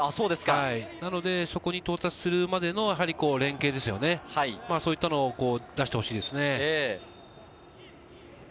なので、そこに到達するまでの連係ですね、そういったものを出してほしいですね。